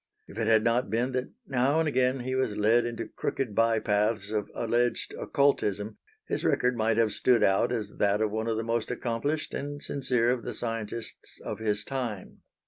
If it had not been that now and again he was led into crooked bye paths of alleged occultism, his record might have stood out as that of one of the most accomplished and sincere of the scientists of his time.